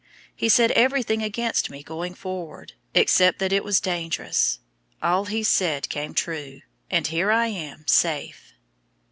He said everything against my going forward, except that it was dangerous; all he said came true, and here I am safe!